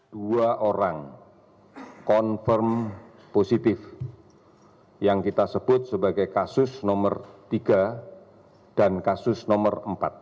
dua orang confirm positif yang kita sebut sebagai kasus nomor tiga dan kasus nomor empat